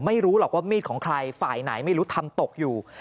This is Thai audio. ไม่รู้หรอกว่ามีดของใครฝ่ายไหนไม่รู้ทำตกอยู่